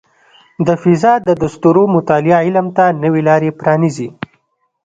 د فضاء د ستورو مطالعه علم ته نوې لارې پرانیزي.